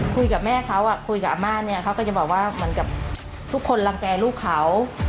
คุยกับแม่เขาคุยกับอาม่าเนี่ยเขาก็จะบอกว่าเหมือนกับทุกคนรังแก่ลูกเขา